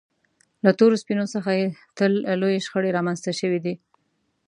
له تورو سپینو څخه تل لویې شخړې رامنځته شوې دي.